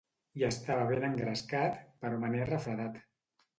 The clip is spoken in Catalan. Hi estava ben engrescat, però me n'he refredat.